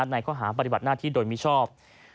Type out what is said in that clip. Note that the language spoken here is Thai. ในข้อหาปฏิบัติหน้าที่โดยมิชอบ